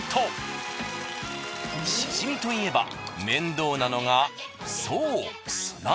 しじみといえば面倒なのがそう。